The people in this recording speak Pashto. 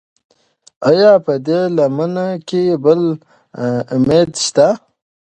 ایا په دې لمنه کې بل امید شته؟